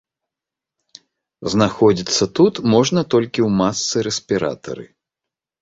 Знаходзіцца тут можна толькі ў масцы-рэспіратары.